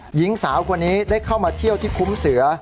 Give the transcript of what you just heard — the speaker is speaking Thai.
หญิงสาวคนนี้ได้เข้ามาเที่ยวที่คุ้มเสือ